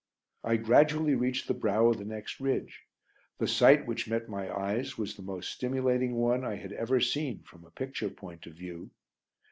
I gradually reached the brow of the next ridge. The sight which met my eyes was the most stimulating one I had ever seen from a picture point of view.